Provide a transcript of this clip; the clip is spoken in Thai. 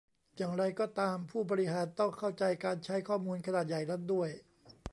อย่างไรก็ตามผู้บริหาร ต้องเข้าใจการใช้ข้อมูลขนาดใหญ่นั้นด้วย